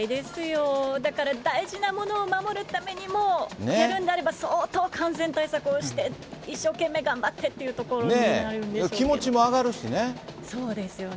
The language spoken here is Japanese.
だから、大事なものを守るためにも、やるんであれば、相当感染対策をして、一生懸命頑張ってっていうところになるんですけど。